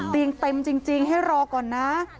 เต็มจริงให้รอก่อนนะ